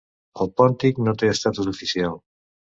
El pòntic no té estatus oficial.